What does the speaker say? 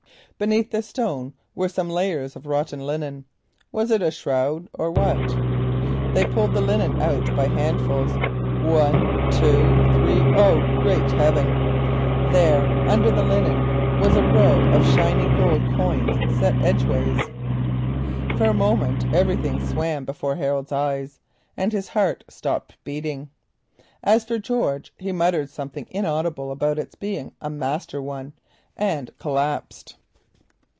Beneath the stone were some layers of rotten linen. Was it a shroud, or what? They pulled the linen out by handfuls. One! two! three! Oh, great heaven! There, under the linen, were row on row of shining gold coins set edgeways. For a moment everything swam before Harold's eyes, and his heart stopped beating. As for George, he muttered something inaudible about its being a "master one," and collapsed.